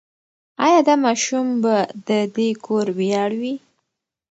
ایا دا ماشوم به د دې کور ویاړ وي؟